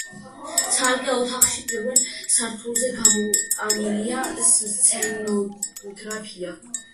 ცალკე ოთახში, პირველ სართულზე, გამოტანილია სცენოგრაფია.